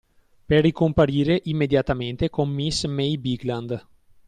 Per ricomparire immediatamente con miss May Bigland.